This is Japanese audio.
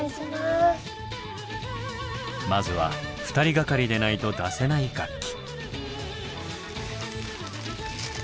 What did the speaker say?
まずは２人がかりでないと出せない楽器。